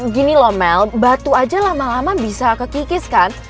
gini loh mel batu aja lama lama bisa kekikis kan